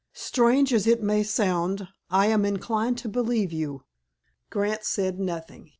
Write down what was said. "Strange as it may sound, I am inclined to believe you." Grant said nothing.